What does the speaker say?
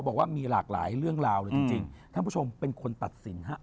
บอกว่ามีหลากหลายเรื่องราวเลยจริงท่านผู้ชมเป็นคนตัดสินฮะ